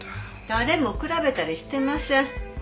誰も比べたりしてません。